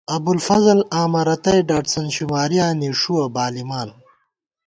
ابُوالفضل آمہ رتئ، ڈاٹسن شمارِیاں نِݭُوَہ بالِمان